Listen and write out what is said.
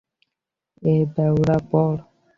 এ বইয়া পর।